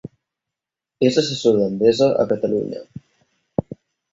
És assessor d'Endesa a Catalunya.